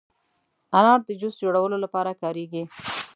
انار د جوس جوړولو لپاره کارېږي.